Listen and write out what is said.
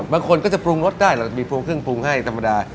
บางคนก็จะปรุงรสได้มีเครื่องปรุงให้ธรรมดา